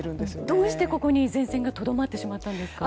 どうして、ここに前線がとどまってしまったんですか？